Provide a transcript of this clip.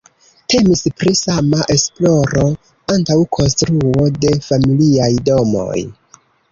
Temis pri sava esploro antaŭ konstruo de familiaj domoj.